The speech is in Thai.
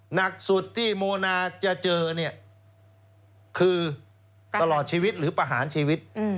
หนักสุดที่โมนาจะเจอเนี่ยคือตลอดชีวิตหรือประหารชีวิต